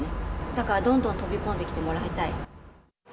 だからどんどん飛び込んできてもらいたい。